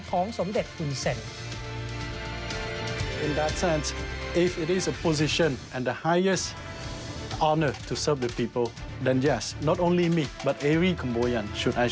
ท้องสมเด็จคุณเซ็น